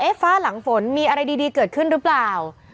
ฟ้าหลังฝนมีอะไรดีเกิดขึ้นหรือเปล่า